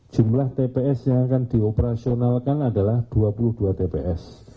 jumlah tps yang akan dioperasionalkan adalah dua puluh dua tps